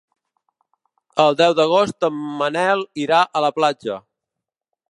El deu d'agost en Manel irà a la platja.